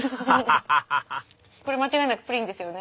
アハハハハこれ間違いなくプリンですよね